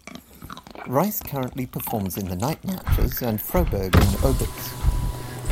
Reis currently performs in The Night Marchers and Froberg in Obits.